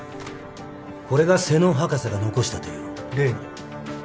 これが瀬能博士が遺したという例の？